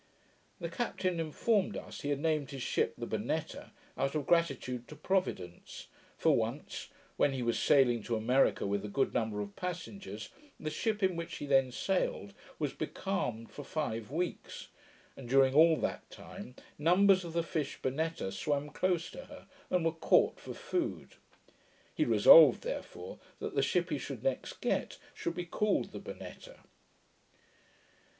The captain informed us, he had named his ship the Bonnetta, out of gratitude to Providence; for once, when he was sailing to America with a good number of passengers, the ship in which he then sailed was becalmed for five weeks, and during all that time, numbers of the fish bonnetta swam close to her, and were caught for food; he resolved therefore, that the ship he should next get, should be called the Bonnetta.